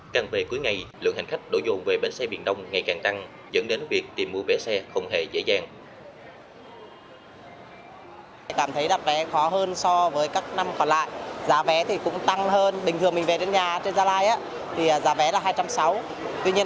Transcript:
càng về cuối ngày lượng hành khách đổ dồn về bến xe biển đông ngày càng tăng dẫn đến việc tìm mua vé xe không hề dễ dàng